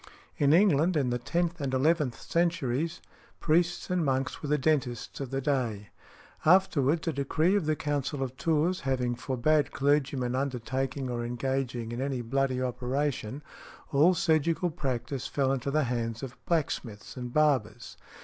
In England, in the tenth and eleventh centuries, priests and monks were the dentists of the day. Afterwards, a decree of the Council of Tours having forbad clergymen undertaking or engaging in any bloody operation, all surgical practice fell into the hands of blacksmiths and barbers.